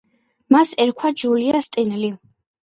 მას ერქვა ჯულია სტენლი.